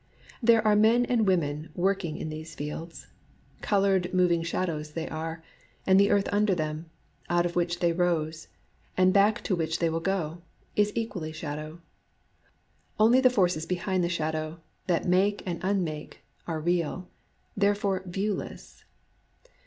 There are men and women working in those 88 BUST fields. Colored moving shadows tliey are ; and the earth under them — out of which they rose, and back to which they will go — is equally shadow. Only the Forces behind the shadow, that make and unmake, are real, — therefore viewless.